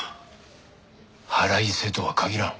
腹いせとは限らん。